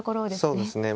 そうですね。